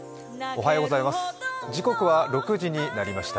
おはようございます。